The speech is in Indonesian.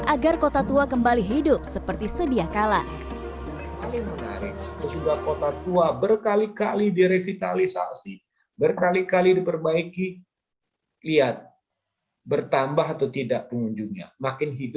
agar kota tua kembali hidup seperti sedia kala